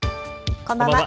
こんばんは。